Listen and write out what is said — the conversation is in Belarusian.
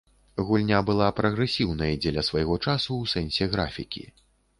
Гульня была прагрэсіўнай дзеля свайго часу ў сэнсе графікі.